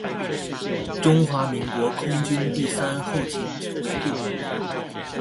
中華民國空軍第三後勤指揮部